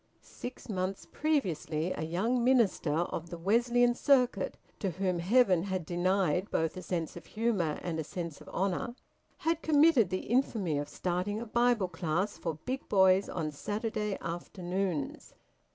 Six months previously a young minister of the Wesleyan Circuit, to whom Heaven had denied both a sense of humour and a sense of honour, had committed the infamy of starting a Bible class for big boys on Saturday afternoons.